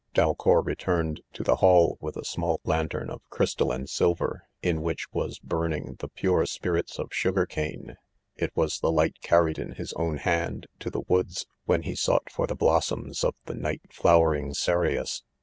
Dalcour returned to the ■; hall with a small lantern of: crystal and silver^ /in .. which was ^horning the pore spirits : M sugar : eane^ it was the light carried in his own hand, to the woods, when he sought for the blossoms of the night ° flowering cereus.